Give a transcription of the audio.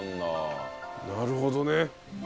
なるほどね。